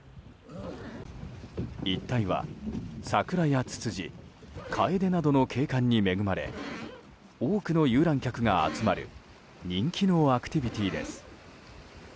一帯は、桜やツツジカエデなどの景観に恵まれ多くの遊覧客が集まる人気のアクティビティーです。